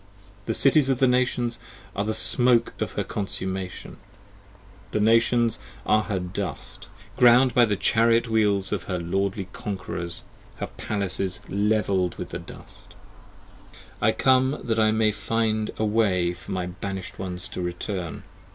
The Cities of the Nations are the smoke of her consummation, The Nations are her dust, ground by the chariot wheels Of her lordly conquerors, her palaces levell'd with the dust. 25 I come that I may find a way for my banished ones to return.